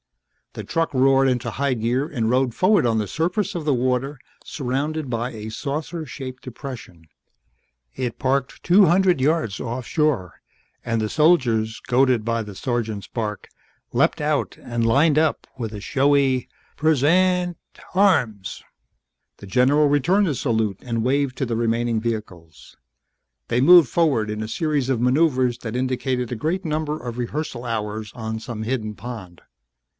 The truck roared into high gear and rode forward on the surface of the water surrounded by a saucer shaped depression. It parked two hundred yards off shore and the soldiers, goaded by the sergeant's bark, leapt out and lined up with a showy present arms. The general returned the salute and waved to the remaining vehicles. They moved forward in a series of maneuvers that indicated a great number of rehearsal hours on some hidden pond.